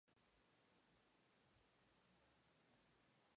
Creditanstalt-Bankverein fue más tarde controlado por el Deutsche Bank.